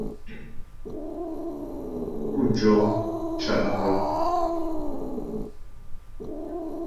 Pú jó cá' hə́ ?